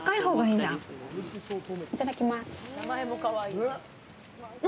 いただきます。